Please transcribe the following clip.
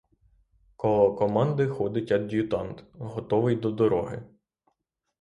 Коло команди ходить ад'ютант, готовий до дороги.